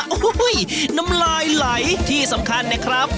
โอ้โหน้ำลายไหลที่สำคัญเนี่ยครับ